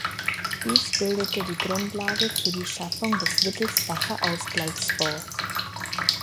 Dies bildete die Grundlage für die Schaffung des Wittelsbacher Ausgleichsfonds.